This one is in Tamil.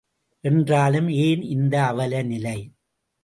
என்றாலும், ஏன் இந்த அவல நிலை?